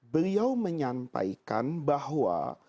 beliau menyampaikan bahwa